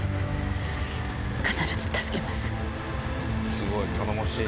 すごい頼もしいな。